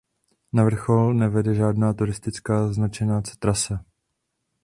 Na vrchol nevede žádná turistická značená trasa.